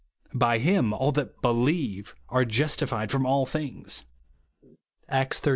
By him all that helierue are justified from all things," (Acts xiii.